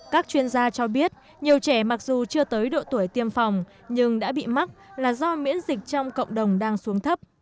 các chuyên gia cho biết nhiều trẻ mặc dù chưa tới độ tuổi tiêm phòng nhưng đã bị mắc là do miễn dịch trong cộng đồng đang xuống thấp